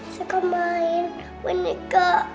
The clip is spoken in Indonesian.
suka main boneka